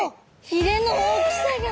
ひれの大きさが。